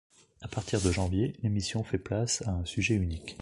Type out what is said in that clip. À partir de janvier, l'émission fait place à un sujet unique.